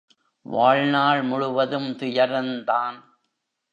வாழ் நாள் முழுவதும் துயரந்தான்.